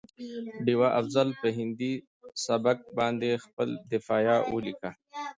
ډيوه افضل په هندي سبک باندې خپله دفاعیه ولیکه